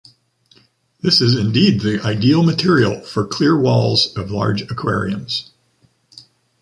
This is indeed the ideal material for clear walls of large aquariums.